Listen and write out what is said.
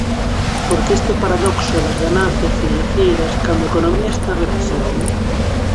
Por que este paradoxo das ganancias financeiras cando a economía está en recesión?